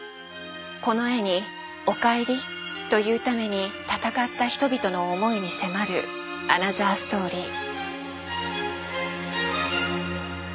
この絵に「おかえり」と言うために闘った人々の思いに迫るアナザーストーリー。